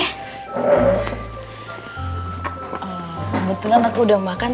kebetulan aku udah makan